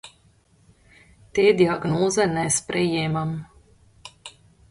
Te diagnoze ne sprejemam.